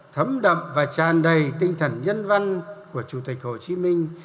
thấm đậm và tràn đầy tinh thần nhân văn của chủ tịch hồ chí minh